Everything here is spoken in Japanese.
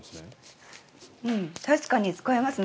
確かに使いますね。